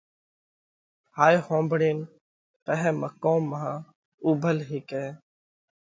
هائي ۿومڀۯينَ پاهئہ مقوم مانه اُوڀل هيڪئہ